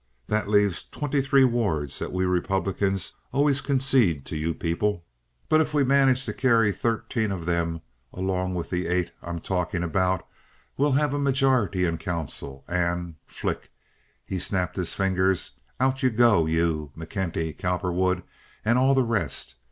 That leaves twenty three wards that we Republicans always conceded to you people; but if we manage to carry thirteen of them along with the eight I'm talking about, we'll have a majority in council, and"—flick! he snapped his fingers—"out you go—you, McKenty, Cowperwood, and all the rest.